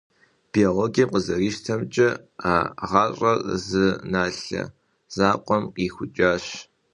Биологием къызэрищтэмкӀэ, а гъащӀэр зы налъэ закъуэм къихъукӀащ.